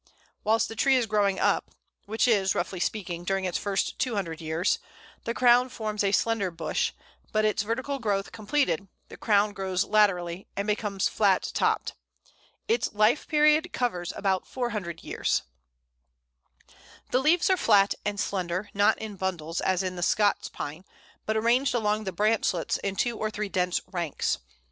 Whilst the tree is growing up which is, roughly speaking, during its first two hundred years the crown forms a slender bush; but its vertical growth completed, the crown grows laterally, and becomes flat topped. Its life period covers about four hundred years. [Illustration: Pl. 157. Silver Fir.] [Illustration: Silver Fir. A, cone.] The leaves are flat and slender, not in bundles, as in the Scots Pine, but arranged along the branchlets in two or three dense ranks.